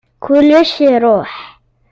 Kullec iṛuḥ.